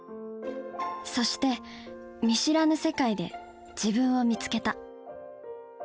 そして見知らぬ世界で自分を見つけた。